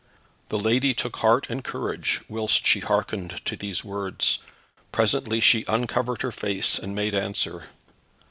The lady took heart and courage whilst she hearkened to these words. Presently she uncovered her face, and made answer.